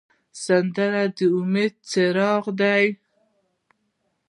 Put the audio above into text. سندره د امید څراغ دی